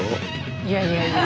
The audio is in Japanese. いやいやいや。